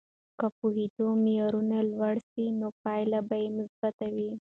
که د پوهیدو معیارونه لوړ سي، نو پایلې به مثبتې وي.